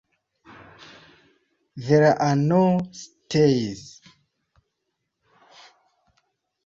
There are no stays.